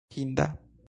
hinda